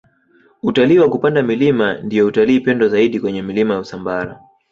utalii wa kupanda milima ndiyo utalii pendwa zaidi kwenye milima ya usambara